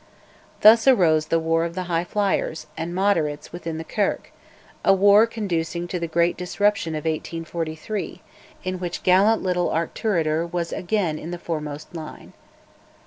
Thus arose the war of "High Flyers" and "Moderates" within the Kirk, a war conducing to the great Disruption of 1843, in which gallant little Auchterarder was again in the foremost line.